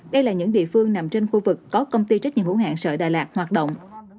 đây là những địa phương nằm trên khu vực có công ty trách nhiệm hữu hạng sợi đà lạt hoạt động